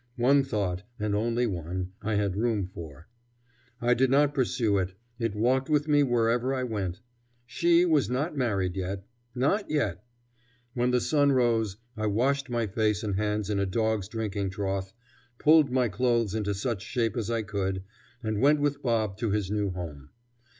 One thought, and only one, I had room for. I did not pursue it; it walked with me wherever I went: She was not married yet. Not yet. When the sun rose, I washed my face and hands in a dog's drinking trough, pulled my clothes into such shape as I could, and went with Bob to his new home.